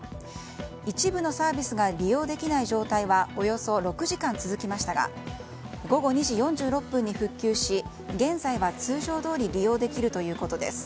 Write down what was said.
一部のサービスが利用できない状態はおよそ６時間続きましたが午後２時４６分に復旧し現在は通常どおり利用できるということです。